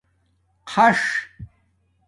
څݳݽ